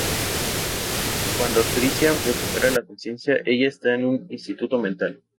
Cuando Tricia recupera la conciencia, ella está en un instituto mental.